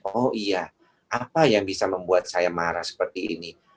oh iya apa yang bisa membuat saya marah seperti ini